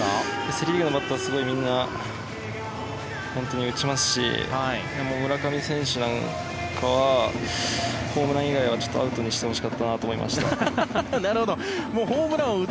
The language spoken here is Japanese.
セ・リーグのバッターはみんなすごい打ちますし村上選手なんかはホームラン以外はアウトにしてほしかったなと思いました。